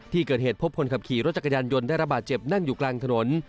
ที่เกิดเหตุพบคนขับขี่รถจักรยานยนต์ได้ระบาดเจ็บนั่งอยู่กลางถนน